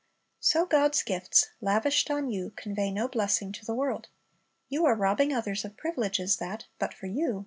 So God's gifts, lavished on you, convey no blessing to the world. You are robbing others of privileges that, but for you, might be theirs.